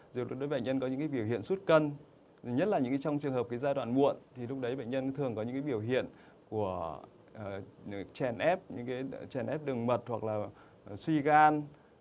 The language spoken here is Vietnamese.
ví dụ như bệnh nhân có những biểu hiện suốt cân nhất là trong trường hợp giai đoạn muộn thì lúc đấy bệnh nhân thường có những biểu hiện của trèn ép đường mật hoặc là suy gan